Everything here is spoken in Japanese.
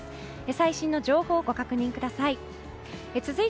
最新の情報をご確認ください。